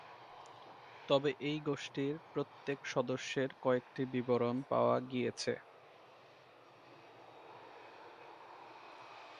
তবে এই গোষ্ঠীর প্রত্যেক সদস্যের কয়েকটি বিবরণ পাওয়া গিয়েছে।